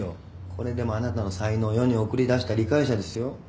これでもあなたの才能を世に送り出した理解者ですよ？